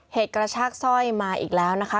กระชากสร้อยมาอีกแล้วนะคะ